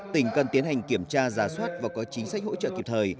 tỉnh cần tiến hành kiểm tra giả soát và có chính sách hỗ trợ kịp thời